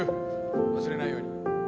忘れないように。